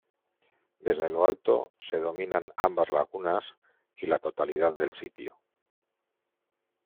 Desde lo alto se dominan ambas lagunas y la totalidad del sitio.